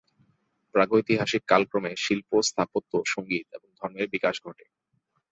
প্রাগৈতিহাসিক কালক্রমে শিল্প, স্থাপত্য, সংগীত এবং ধর্মের বিকাশ ঘটে।